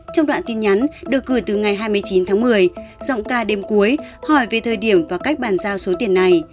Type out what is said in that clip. trong đoạn tin nhắn được gửi từ ngày hai mươi chín tháng một mươi giọng ca đêm cuối hỏi về thời điểm và cách bàn giao số tiền này